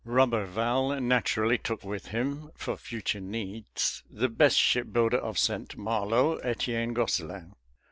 Roberval naturally took with him, for future needs, the best shipbuilder of St. Malo, Etienne Gosselin.